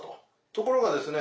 ところがですね